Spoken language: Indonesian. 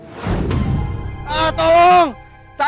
wielu sekali lo dar stolep